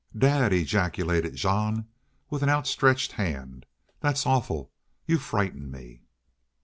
"Dad!" ejaculated Jean, with a hand outstretched. "That's awful! You frighten me."